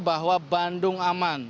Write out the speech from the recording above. bahwa bandung aman